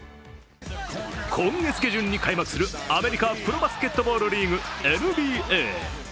今月下旬に開幕するアメリカ・プロバスケットボールリーグＮＢＡ。